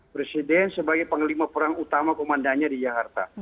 presiden sebagai pengelima perang utama komandannya di yaharta